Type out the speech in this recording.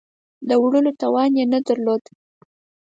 د وړلو توان یې نه درلود.